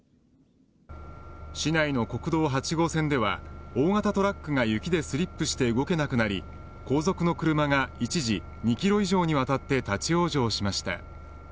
市内の国道８号線では大型トラックが雪でスリップして動けなくなり後続の車が一時２キロ以上にわたって立ち往生しました。